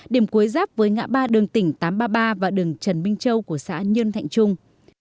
điểm cuối giáp với ngã ba đường tỉnh tám trăm ba mươi ba và đường trần minh châu của xã nhân thạnh trung